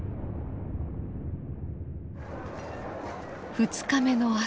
２日目の朝